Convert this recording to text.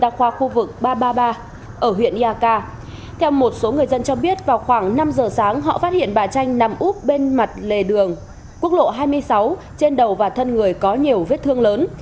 các bạn có biết vào khoảng năm giờ sáng họ phát hiện bà chanh nằm úp bên mặt lề đường quốc lộ hai mươi sáu trên đầu và thân người có nhiều vết thương lớn